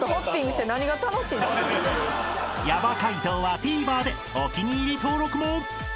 ［ヤバ解答はＴＶｅｒでお気に入り登録も］